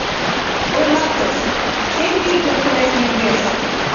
Ойлатыс: Шем вий пӧртылеш мӧҥгеш.